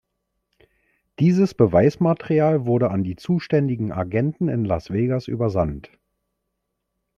Dieses Beweismaterial wurde an die zuständigen Agenten in Las Vegas übersandt.